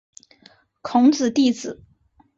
孔子弟子。